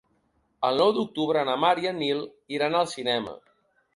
El nou d'octubre na Mar i en Nil iran al cinema.